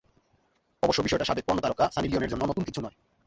অবশ্য বিষয়টা সাবেক পর্নো তারকা সানি লিওনের জন্য নতুন কিছু নয়।